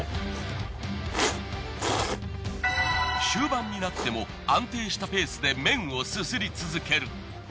終盤になっても安定したペースで麺をすすり続ける。